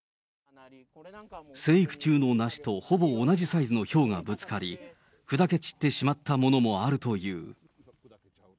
生育中のなしとほぼ同じサイズのひょうがぶつかり、砕け散ってしまったものもあるという。